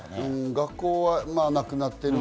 学校はなくなっている。